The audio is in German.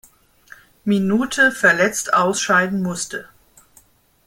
Minute verletzt ausscheiden musste.